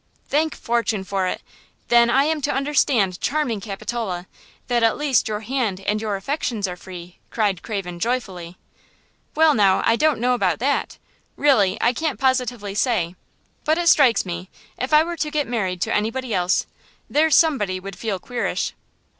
"Thank fortune for it! Then I am to understand, charming Capitola, that at least your hand and your affections are free," cried Craven, joyfully. "Well, now, I don't know about that! Really, I can't positively say; but it strikes me, if I were to get married to anybody else, there's somebody would feel queerish!"